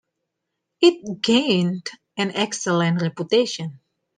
It gained an excellent reputation.